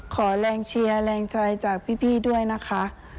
ขอแรงเชียร์แรงใจจากพี่ด้วยนะคะ